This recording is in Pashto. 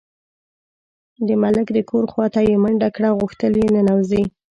د ملک د کور خواته یې منډه کړه، غوښتل یې ننوځي.